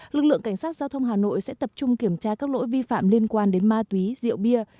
lực lượng cảnh sát giao thông hà nội sẽ tập trung kiểm tra các lỗi vi phạm liên quan đến ma túy rượu bia